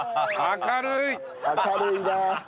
明るいな。